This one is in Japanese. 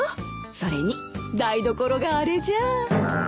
それに台所があれじゃあ。